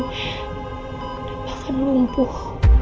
kenapa kan lumpuh